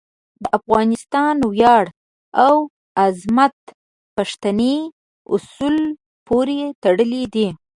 د افغانستان ویاړ او عظمت پښتني اصولو پورې تړلی دی.